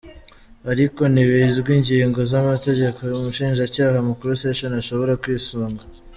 Ariko ntibizwi ingingo z'amategeko umushinjacyaha mukuru Sessions ashobora kwisunga.